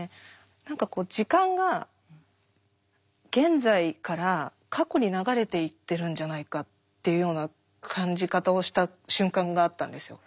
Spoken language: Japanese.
何かこう時間が現在から過去に流れていってるんじゃないかっていうような感じ方をした瞬間があったんですよ。